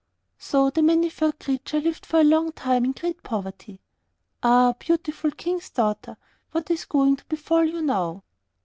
So the Many furred Creature lived for a long time in great poverty. Ah, beautiful King's daughter, what is going to befall you now?